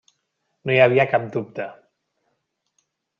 No hi havia cap dubte.